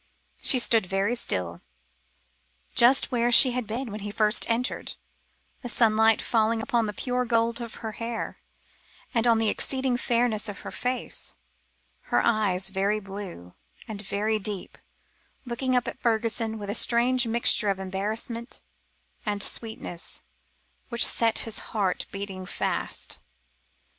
She stood very still, just where she had been when he first entered, the sunlight falling upon the pure gold of her hair, and on the exceeding fairness of her face; her eyes very blue, and very deep, looking up at Fergusson with a strange mixture of embarrassment and sweetness, which set his heart beating fast.